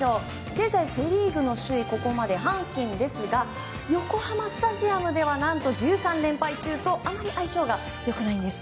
現在、セ・リーグの首位ここまで阪神ですが横浜スタジアムでは何と１３連敗中とあまり相性が良くないんです。